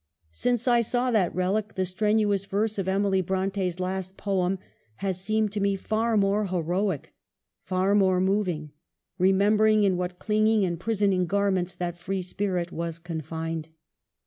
Since I saw that relic, the strenuous verse of Emily Brontes last poem has seemed to me far more heroic, far more moving ; remem bering in what clinging and prisoning garments that free spirit was confined.